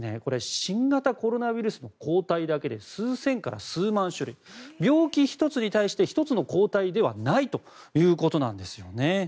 新型コロナウイルスの抗体だけで数千から数万種類病気１つに対して１つの抗体ではないということなんですよね。